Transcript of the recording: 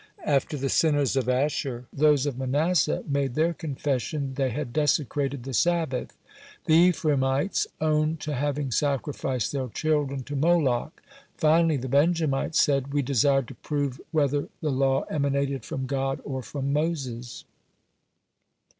(10) After the sinners of Asher, those of Manasseh made their confession they had desecrated the Sabbath. The Ephraimites owned to having sacrificed their children to Moloch. Finally, the Benjamites said: "We desired to prove whether the law emanated from God or from Moses."